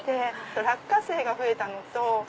落花生が増えたのと。